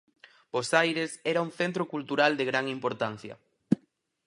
Bos Aires era un centro cultural de gran importancia.